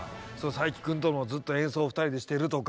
佐伯君とのずっと演奏を２人でしてるとか。